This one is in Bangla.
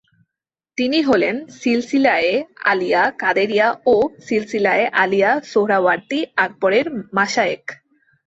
তিনি হলেন সিলসিলায়ে আলিয়া কাদেরিয়া ও সিলসিলায়ে আলিয়া সোহরাওয়ার্দীর আকাবের মাশায়েখ।